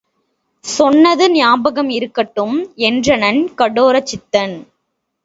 சொன்னது ஞாபகம் இருக்கட்டும் என்றனன் கடோரசித்தன்.